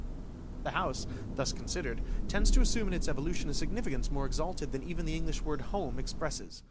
The house, thus considered, tends to assume in its evolution a significance more exalted than even the English word "home" expresses.